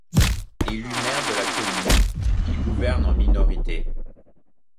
Élu maire de la commune, il gouverne en minorité.